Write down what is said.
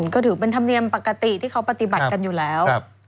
ก็ถือเป็นธรรมเนียมปกติที่เขาปฏิบัติกันอยู่แล้ว